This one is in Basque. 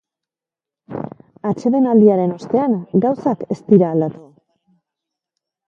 Atsedenaldiaren ostean, gauzak ez dira aldatu.